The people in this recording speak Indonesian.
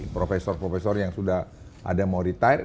profesor profesor yang sudah ada mau retire